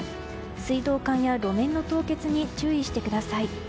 水道管や路面の凍結に注意してください。